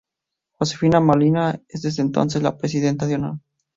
Josefina Molina es desde entonces la Presidenta de honor.